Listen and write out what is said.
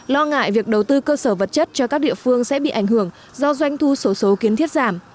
lo ngại việc đầu tư cơ sở vật chất cho các địa phương sẽ bị ảnh hưởng do doanh thu sổ số kiến thiết giảm